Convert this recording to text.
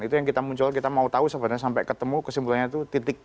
itu yang kita muncul kita mau tahu sebenarnya sampai ketemu kesimpulannya itu titik